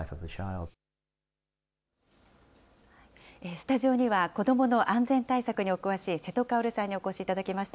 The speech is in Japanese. スタジオには、子どもの安全対策にお詳しい、瀬戸馨さんにお越しいただきました。